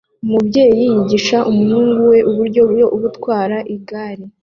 Umubyeyi yigisha umuhungu we uburyo bwo gutwara igare